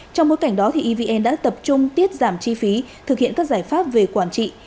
trong bối cảnh đó evn đã tập trung tiết giảm chi phí thực hiện các giải pháp về quản trị